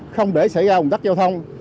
không để xảy ra hùng tắc giao thông